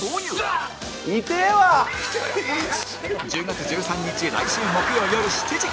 １０月１３日来週木曜よる７時